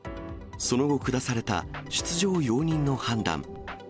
その後、下された出場容認の判断。